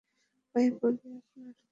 পায়ে পড়ছি আপনার।